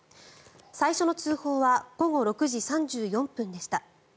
最初の通報は午後６時３４分でした。